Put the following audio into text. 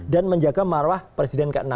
dan menjaga marwah presiden ke enam kita